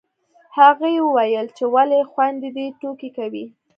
هغه وويل چې ولې خویندې دې ټوکې کوي